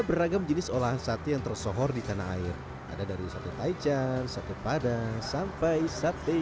beragam jenis olahan sate yang tersohor di tanah air ada dari sate taichan sate padang sampai sate